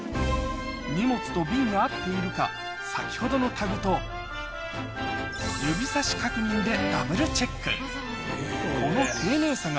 荷物と便が合っているか先ほどのタグとでダブルチェック